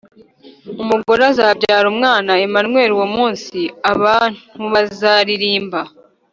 umugore azabyara umwana, emanueli. uwo munsi abantubazaririmba